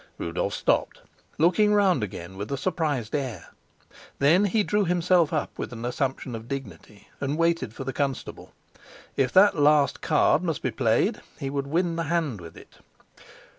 Rudolf stopped, looking round again with a surprised air. Then he drew himself up with an assumption of dignity, and waited for the constable. If that last card must be played, he would win the hand with it.